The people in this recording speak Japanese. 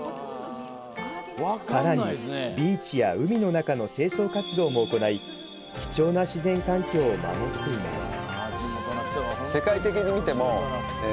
さらに、ビーチや海の中の清掃活動も行い貴重な自然環境を守っています。